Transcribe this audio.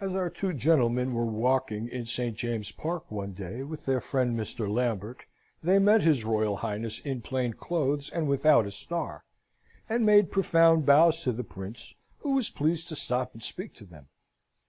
As our two gentlemen were walking in St. James's Park, one day, with their friend Mr. Lambert, they met his Royal Highness in plain clothes and without a star, and made profound bows to the Prince, who was pleased to stop and speak to them.